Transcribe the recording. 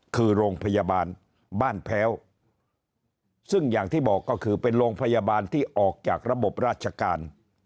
คือโรงพยาบาลบ้านแพ้วซึ่งอย่างที่บอกก็คือเป็นโรงพยาบาลที่ออกจากระบบราชการ